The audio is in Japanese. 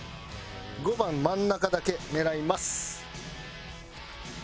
５番真ん中だけ狙います。